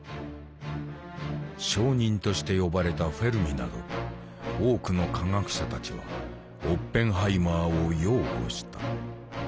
証人として呼ばれたフェルミなど多くの科学者たちはオッペンハイマーを擁護した。